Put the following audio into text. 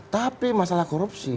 tapi masalah korupsi